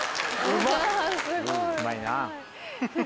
うまいなぁ。